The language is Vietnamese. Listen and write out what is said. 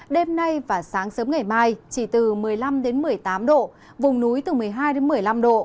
đêm nay và sáng sớm ngày mai chỉ từ một mươi năm một mươi tám độ vùng núi từ một mươi hai một mươi năm độ